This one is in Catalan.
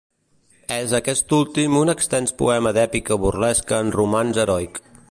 És aquest últim un extens poema d'èpica burlesca en romanç heroic.